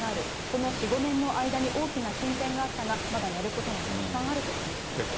この４、５年の間に大きな進展があったが、まだやることがたくさんあると話しています。